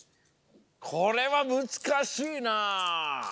これはむずかしいな。